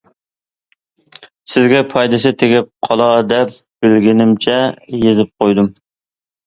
سىزگە پايدىسى تېگىپ قالا دەپ بىلگىنىمچە يېزىپ قويدۇم.